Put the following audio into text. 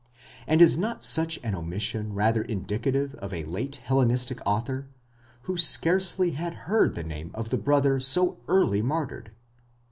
and is not such an omission rather indicative of a late Hellenistic author, who scarcely had heard the name of the brother so early martyred?